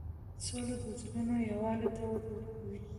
سوله د زړونو یووالی ته وده ورکوي.